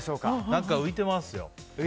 何か浮いてますよ。